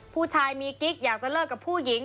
ผู้ชายมีกิ๊กอยากจะเลิกกับผู้หญิง